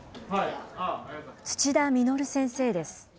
土田稔先生です。